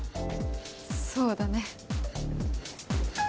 そうだね。